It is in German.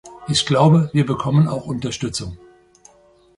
Ich glaube, wir bekommen auch Unterstützung.